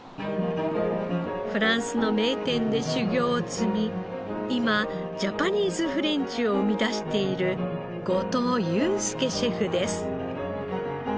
フランスの名店で修業を積み今ジャパニーズフレンチを生み出している後藤祐輔シェフです。